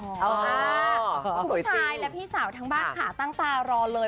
คุณผู้ชายและพี่สาวทั้งบ้านค่ะตั้งตารอเลย